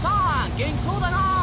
元気そうだな！